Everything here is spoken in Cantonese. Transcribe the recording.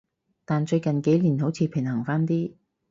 但最近幾年好似平衡返啲